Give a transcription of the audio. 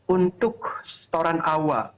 untuk setoran awal